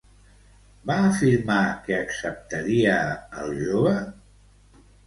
Va afirmar que acceptaria el jove?